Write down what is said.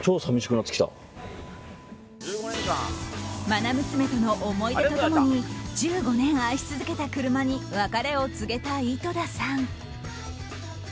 まな娘との思い出と共に１５年愛し続けた車に別れを告げた井戸田さん。